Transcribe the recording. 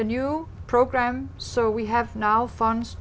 cho tương lai việt nam và đài loan